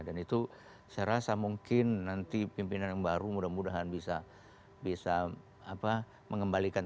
dan itu saya rasa mungkin nanti pimpinan yang baru mudah mudahan bisa mengembalikan